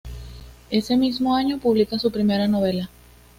Ese mismo año publica su primera novela.